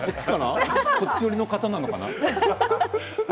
こっち寄りの方なのかな？